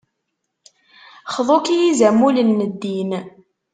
Xḍu-k I yizamulen n ddin.